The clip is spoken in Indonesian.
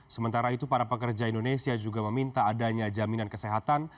sementara itu para pekerja indonesia juga meminta adanya jaminan kesehatan